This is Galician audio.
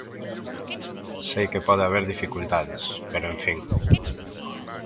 Sei que pode haber dificultades, pero en fin...